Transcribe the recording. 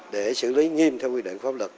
để xử lý nghiêm theo quy định pháp luật